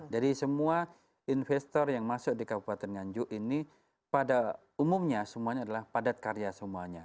jadi semua investor yang masuk di kabupaten nganjuk ini pada umumnya semuanya adalah padat karya semuanya